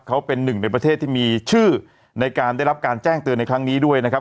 เขาเป็นหนึ่งในประเทศที่มีชื่อในการได้รับการแจ้งเตือนในครั้งนี้ด้วยนะครับ